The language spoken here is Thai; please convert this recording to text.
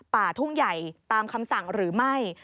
ป่าทุ่งใหญ่ตามคำสั่งหรือไม่